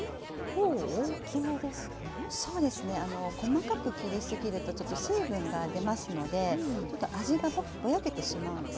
細かく切り過ぎると水分が出ますのでちょっと味がぼやけてしまうんですね。